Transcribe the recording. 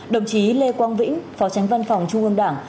đồng chí lê quang vĩnh phó tránh văn phòng trung ương đảng